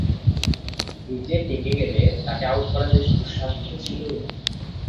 ক্রিজে টিকে গেলে তাকে আউট করা বেশ দুঃসাধ্য ছিল।